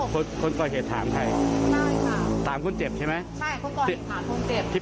พวกนี้เขาก็หลบอ่ะค่ะไม่ได้สู้ไม่ได้ตอบ